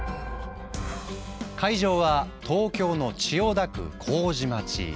会場は東京の千代田区麹町。